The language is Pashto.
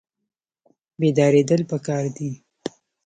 بیداریدل پکار دي